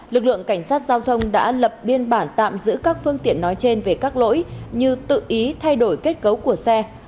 lực lượng cảnh sát giao thông đã lập biên bản tạm giữ các phương tiện nói trên về các lỗi như tự ý thay đổi kết cấu của xe